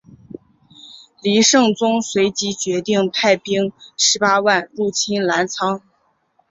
黎圣宗随即决定派兵十八万入侵澜沧。